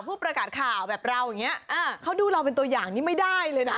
ผู้ประกาศข่าวแบบเราอย่างนี้เขาดูเราเป็นตัวอย่างนี้ไม่ได้เลยนะ